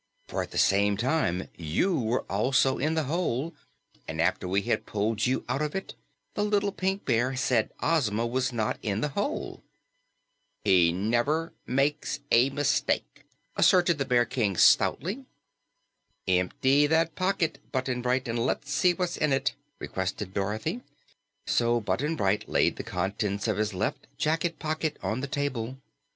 For at that time you were also in the hole, and after we had pulled you out of it, the little Pink Bear said Ozma was not in the hole." "He never makes a mistake," asserted the Bear King stoutly. "Empty that pocket, Button Bright, and let's see what's in it," requested Dorothy. So Button Bright laid the contents of his left jacket pocket on the table.